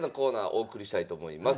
お送りしたいと思います。